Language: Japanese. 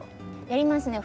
やりますね。